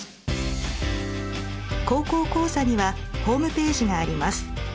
「高校講座」にはホームページがあります。